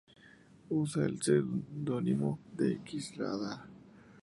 Usa el seudónimo de X Randa.